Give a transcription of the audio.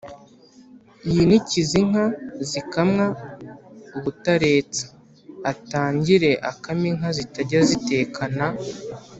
yinikize inka zikamwa ubutaretsa: atangire akame inka zitajya ziteka na